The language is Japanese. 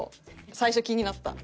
最初気になった。